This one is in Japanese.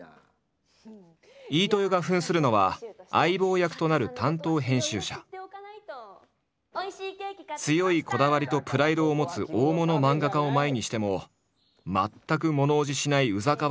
飯豊がふんするのは相棒役となる強いこだわりとプライドを持つ大物漫画家を前にしても全くものおじしないウザかわ